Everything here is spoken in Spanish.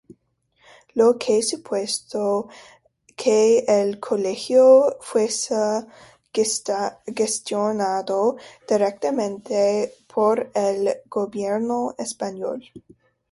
Lo que supuso que el Colegio fuese gestionado directamente por el Gobierno español.